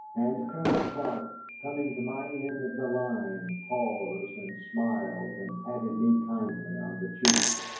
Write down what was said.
And Colonel Clark coming to my end of the line paused and smiled and patted me kindly on the cheek.